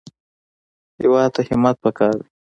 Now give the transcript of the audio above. هېواد ته همت پکار دی